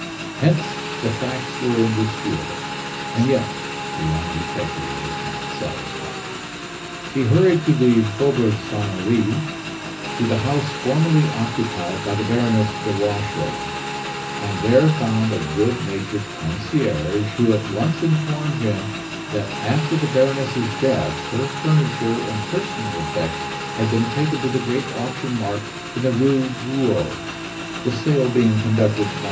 Hence, the facts were indisputable; and yet, the young detective was not satisfied. He hurried to the Faubourg Saint Honore, to the house formerly occupied by the Baroness de Watchau, and there found a good natured concierge, who at once informed him that after the Baroness's death her furniture and personal effects had been taken to the great auction mart in the Rue Drouot; the sale being conducted by M.